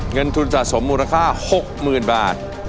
เงินทุนสะสมมูลค่า๖๐๐๐บาท